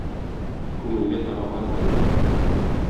Күңелгә таракан керү.